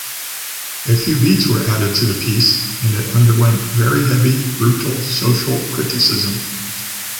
A few beats were added to the piece, and it underwent very heavy, brutal social criticism.